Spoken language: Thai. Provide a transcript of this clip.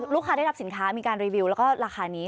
ลูกค้าได้รับสินค้ามีการรีวิวแล้วก็ราคานี้